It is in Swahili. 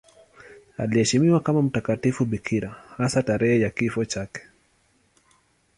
Anaheshimiwa kama mtakatifu bikira, hasa tarehe ya kifo chake.